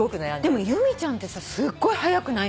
でも由美ちゃんってさすっごい早くない？